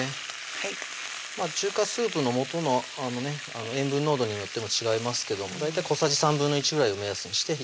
はい中華スープのもとの塩分濃度によっても違いますけど大体小さじ１／３ぐらいを目安にして入れてください